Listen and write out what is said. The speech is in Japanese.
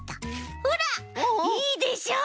ほらいいでしょ？